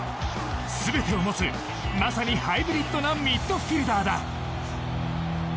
全てを持つまさにハイブリッドなミッドフィールダーだ。